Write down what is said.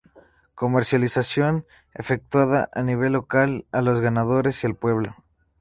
Comercialización efectuada a nivel local, a los ganaderos y al pueblo.